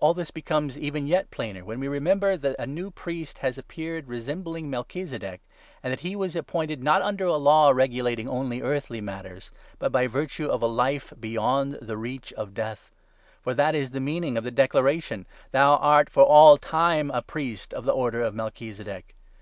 All this becomes even yet plainer when 15 we remember that a new priest has appeared, resembling Melchizedek, and that he was appointed, not under a Law 16 regulating only earthly matters, but by virtue of a life beyond the reach of death ; for that is the meaning of the declaration — 17 ' Thou art for all time a priest of the order of Melchizedek.'